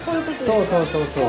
そうそうそうそう。